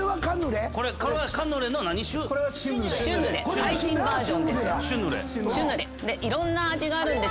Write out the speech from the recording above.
最新バージョンです。